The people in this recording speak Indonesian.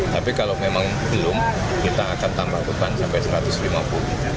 tapi kalau memang belum kita akan tambah beban sampai seratus ton